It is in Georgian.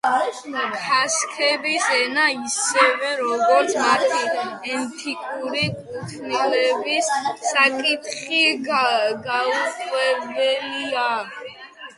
ქასქების ენა ისევე როგორც მათი ეთნიკური კუთვნილების საკითხი, გაურკვეველია.